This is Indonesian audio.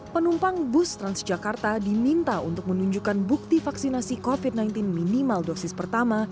penumpang bus transjakarta diminta untuk menunjukkan bukti vaksinasi covid sembilan belas minimal dosis pertama